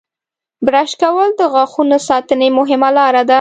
• برش کول د غاښونو ساتنې مهمه لاره ده.